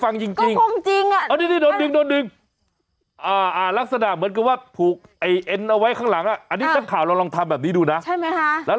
อันนี้เขาเล่าให้ผมฟังจริง